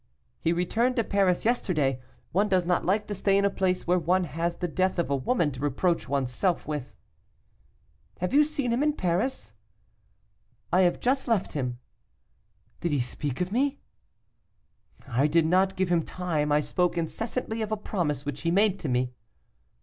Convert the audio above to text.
'He returned to Paris yesterday. One does not like to stay in a place where one has the death of a woman to reproach one's self with.' 'Have you seen him in Paris?' 'I have just left him.' 'Did he speak of me?' 'I did not give him time; I spoke incessantly of a promise which he made to me.